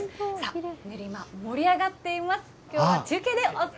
さあ、練馬、盛り上がっています。